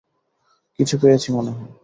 কিছু পেয়েছি মনেহয়।